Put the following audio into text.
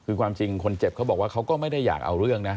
คือความจริงคนเจ็บเขาบอกว่าเขาก็ไม่ได้อยากเอาเรื่องนะ